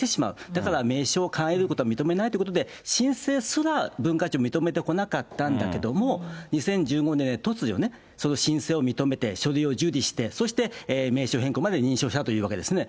だから名称を変えることは認めないということで、申請すら文化庁、認めてこなかったんだけども、２０１５年に突如、その申請を認めて、書類を受理して、そして名称変更まで認証したというわけですね。